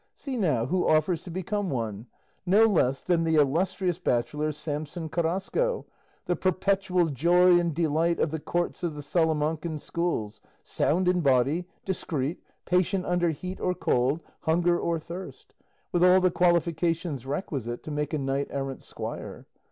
See now who offers to become one; no less than the illustrious bachelor Samson Carrasco, the perpetual joy and delight of the courts of the Salamancan schools, sound in body, discreet, patient under heat or cold, hunger or thirst, with all the qualifications requisite to make a knight errant's squire!